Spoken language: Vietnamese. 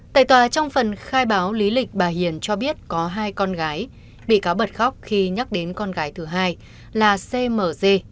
tại tòa trong phần khai báo lý lịch bà hiền cho biết có hai con gái bị cáo bật khóc khi nhắc đến con gái thứ hai là cmc